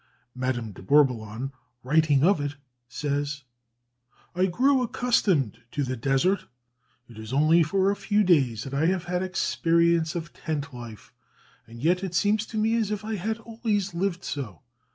Madame de Bourboulon, writing of it, says: "I grew accustomed to the desert; it is only for a few days that I have had experience of tent life, and yet it seems to me as if I had always lived so.